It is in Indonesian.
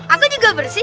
aku juga bersih